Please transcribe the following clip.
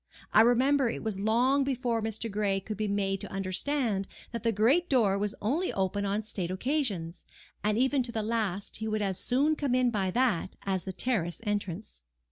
I remember it was long before Mr. Gray could be made to understand that the great door was only open on state occasions, and even to the last he would as soon come in by that as the terrace entrance.